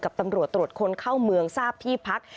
ตำรวจตรวจคนเข้าเมืองทราบที่พัก